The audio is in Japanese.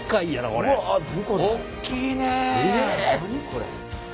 これ。